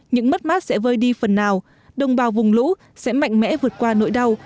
những mất mát sẽ vơi đi phần nào đồng bào vùng lũ sẽ mạnh mẽ vượt qua nỗi đau